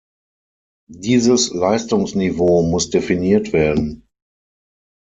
Dieses Leistungsniveau muss definiert werden.